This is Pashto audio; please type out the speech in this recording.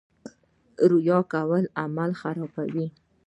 ریا کول عمل خرابوي